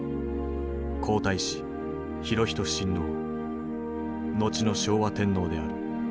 皇太子裕仁親王後の昭和天皇である。